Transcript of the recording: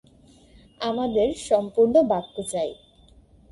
আমাদের সম্পুর্ণ বাক্য চাই।